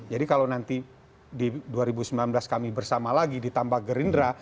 jadi kalau nanti di dua ribu sembilan belas kami bersama lagi ditambah gerindra